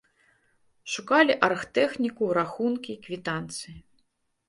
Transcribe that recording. Шукалі аргтэхніку, рахункі, квітанцыі.